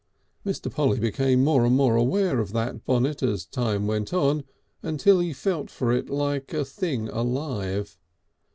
Mr. Polly became more and more aware of that bonnet as time went on, until he felt for it like a thing alive.